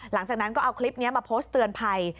หลังจากนั้นก็เอาคลิปนี้มาโพสต์เตือนภัย